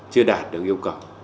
chưa đạt được yêu cầu